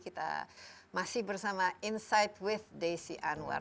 kita masih bersama insight with desi anwar